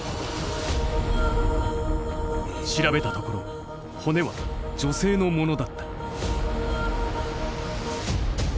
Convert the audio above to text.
調べたところ骨は女性のものだった。